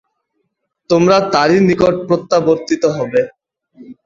তোমরা তারই নিকট প্রত্যাবর্তিত হবে।